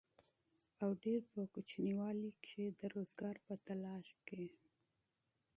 او ډېر پۀ وړوکوالي کښې د روزګار پۀ تالاش کښې